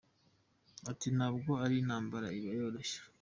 Ati “Ntabwo ari intambara iba yoroshye.